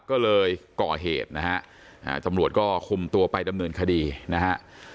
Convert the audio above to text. ก็เลยก่อเหตุนะฮะตำรวจก็คุมตัวไปดำเนินคดีนะฮะ